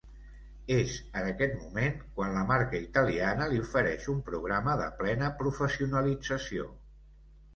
És en aquest moment quan la marca italiana li ofereix un programa de plena professionalització.